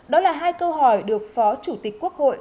đó là hai câu hỏi được phó chủ tịch quốc hội